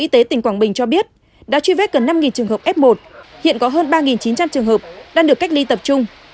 tỉnh quảng bình có hơn ba chín trăm linh trường hợp đang được cách ly tập trung